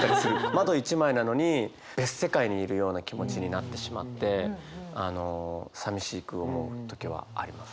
窓一枚なのに別世界にいるような気持ちになってしまってあのさみしく思う時はあります。